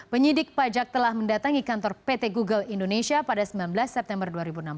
penyidik pajak telah mendatangi kantor pt google indonesia pada sembilan belas september dua ribu enam belas